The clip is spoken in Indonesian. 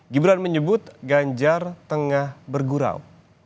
gibran menyebut ganjar tengah bergurau